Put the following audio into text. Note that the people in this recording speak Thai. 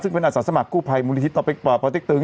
ซึ่งเป็นอาสาสมัครกู้ภัยมูลนิธิป่อพอเต๊กตึง